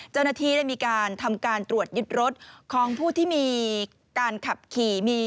เจ้าหน้าที่ได้มีการทำการตรวจยึดรถของผู้ที่มีการขับขี่มี